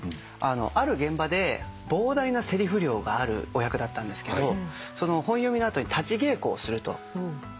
ある現場で膨大なせりふ量があるお役だったんですけど本読みの後に立ち稽古をするという話になって。